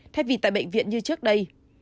thay vì tại bệnh viện như trước đây